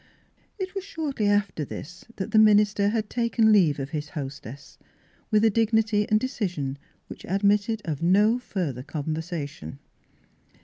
It was shortly after this that the min ister had taken leave of his hostess, with a dignity and decision which admitted of no further conversation.